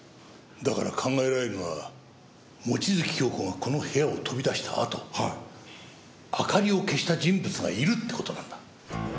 だから考えられるのは望月京子がこの部屋を飛び出したあと明かりを消した人物がいるって事なんだ。